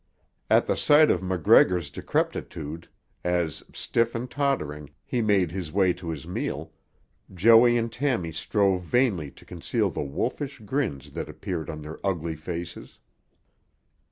At the sight of MacGregor's decrepitude, as, stiff and tottering, he made his way to his meal, Joey and Tammy strove vainly to conceal the wolfish grins that appeared on their ugly faces.